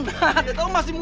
gak tahu masih muda